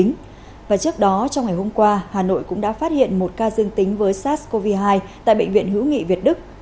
ngày hôm qua hà nội cũng đã phát hiện một ca dương tính với sars cov hai tại bệnh viện hữu nghị việt đức